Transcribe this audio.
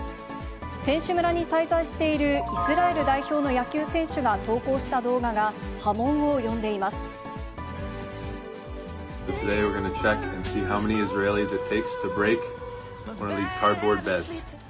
選手村に滞在しているイスラエル代表の野球選手が投稿した動画が波紋を呼んでいます。